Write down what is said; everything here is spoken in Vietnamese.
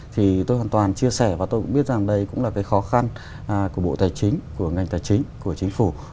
thì tôi hoàn toàn chia sẻ và tôi cũng biết rằng đây cũng là cái khó khăn của bộ tài chính của ngành tài chính của chính phủ